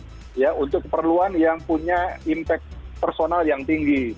itu hanya untuk keperluan yang urgent untuk keperluan yang punya impact personal yang tinggi